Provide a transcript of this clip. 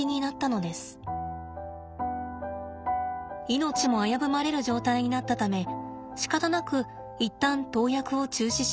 命も危ぶまれる状態になったためしかたなく一旦投薬を中止しました。